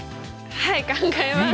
はい考えます。